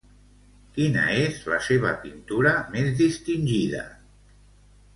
Quina és la seva pintura més distingida?